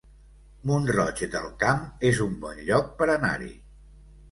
Mont-roig del Camp es un bon lloc per anar-hi